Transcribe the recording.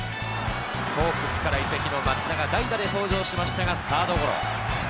ホークスから移籍の松田が代打で登場しましたがサードゴロ。